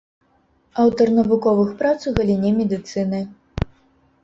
Аўтар навуковых прац у галіне медыцыны.